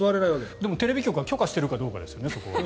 でも、テレビ局が許可しているかどうかですよね。